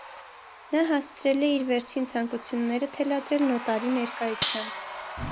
Նա հասցրել է իր վերջին ցանկությունները թելադրել նոտարի ներկայությամբ։